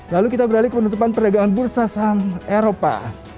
lalu kita beralih ke penutupan perdagangan bursa saham eropa